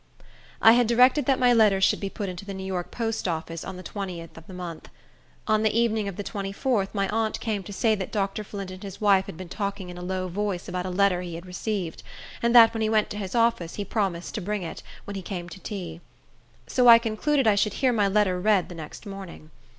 I had directed that my letters should be put into the New York post office on the 20th of the month. On the evening of the 24th my aunt came to say that Dr. Flint and his wife had been talking in a low voice about a letter he had received, and that when he went to his office he promised to bring it when he came to tea. So I concluded I should hear my letter read the next morning.